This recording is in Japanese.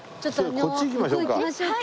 向こう行きましょうか。